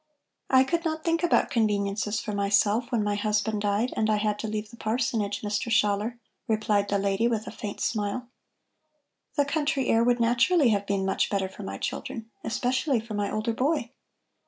"I could not think about conveniences for myself, when my husband died, and I had to leave the parsonage, Mr. Schaller," replied the lady, with a faint smile. "The country air would naturally have been much better for my children, especially for my older boy.